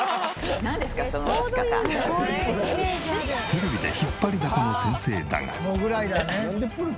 テレビで引っ張りだこの先生だが。